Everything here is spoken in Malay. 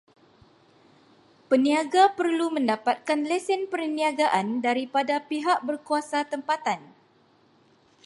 Peniaga perlu mendapatkan lesen peniagaan daripada pihak berkuasa tempatan.